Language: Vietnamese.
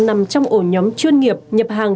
trong ổ nhóm chuyên nghiệp nhập hàng